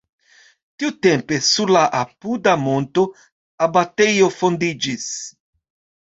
Tiutempe sur la apuda monto abatejo fondiĝis.